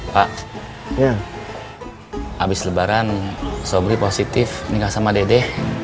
pak ya abis lebaran sobri positif minggah sama dede